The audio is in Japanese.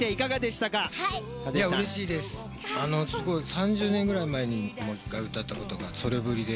３０年ぐらい前にも１回歌ったことがあってそれぶりで。